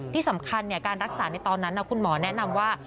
ที่สำคัญการรักษาในตอนนั้นคุณหมอแนะนำว่า